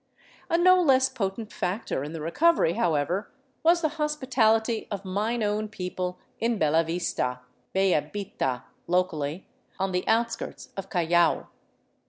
A no less potent factor in the recovery, however, was the hospitality of mine own people in Bellavista (" Beyabi'ta," locally) on the out skirts of Callao.